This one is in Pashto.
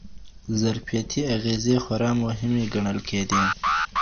ظرفیتي اغېزې خورا مهمې ګڼل کېدې.